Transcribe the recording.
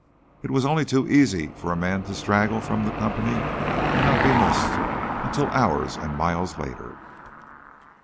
It was only too easy for a man to straggle from the company and not be missed until hours and miles later.